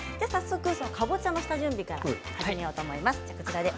かぼちゃの下準備から始めようと思います。